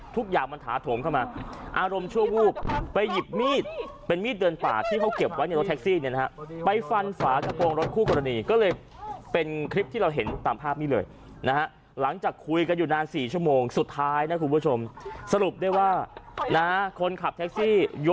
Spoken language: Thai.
ทุกอย่างมันถาโถมเข้ามาอารมณ์ชั่วจุภิ